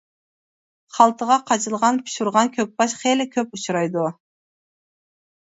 خالتىغا قاچىلىغان پىشۇرغان كۆكباش خېلى كۆپ ئۇچرايدۇ.